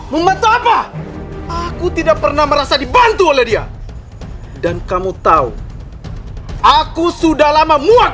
memantapa aku tidak pernah merasa dibantu oleh dia dan kamu tahu aku sudah lama muat